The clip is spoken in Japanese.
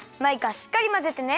しっかりまぜてね！